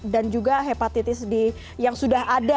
dan juga hepatitis yang sudah ada